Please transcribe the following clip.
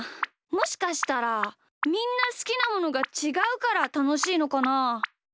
もしかしたらみんなすきなものがちがうからたのしいのかな？